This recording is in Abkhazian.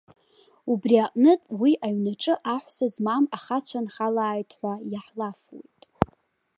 Убри аҟнытә, уи аҩнаҿы аҳәса змам ахацәа нхалааит ҳәа иаҳлафуеит.